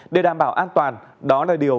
để đảm bảo an toàn đó là điều